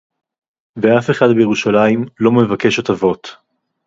ואף אחד בירושלים לא מבקש הטבות